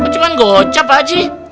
cuman gocap baji